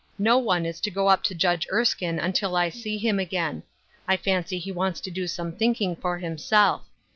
No one is to go up to Judge Erskine until I see him again. I fancy he wants to do some thinking for himself.